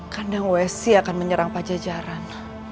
kandang wesi akan menyerang pak jajaran